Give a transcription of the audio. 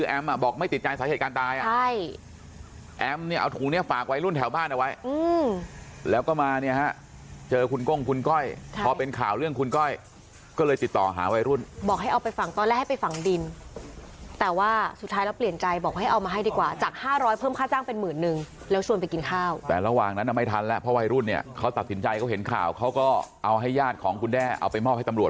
แถวบ้านเอาไว้แล้วก็มาเนี่ยเจอคุณก้งคุณก้อยพอเป็นข่าวเรื่องคุณก้อยก็เลยติดต่อหาวัยรุ่นบอกให้เอาไปฝั่งตอนแรกให้ไปฝั่งดินแต่ว่าสุดท้ายแล้วเปลี่ยนใจบอกให้เอามาให้ดีกว่าจาก๕๐๐เพิ่มค่าจ้างเป็นหมื่นนึงแล้วชวนไปกินข้าวแต่ระหว่างนั้นไม่ทันแล้วเพราะวัยรุ่นเนี่ยเขาตัดสินใจเขาเห็นข่าว